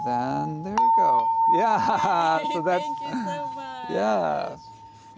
dan kemudian ya terima kasih banyak